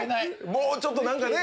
もうちょっと何かね